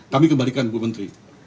kami kembalikan ibu menteri